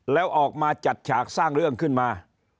แล้วออกมาจัดฉากสร้างเรื่องขึ้นมา